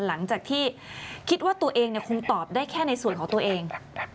หลังจากที่คิดว่าตัวเองคงตอบได้แค่ในส่วนของตัวเอง